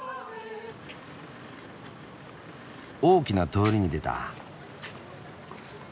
大きな通りに出た。